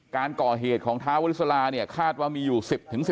การก่อเหตุของท้าวลิสลาเนี่ยคาดว่ามีอยู่๑๐๑๐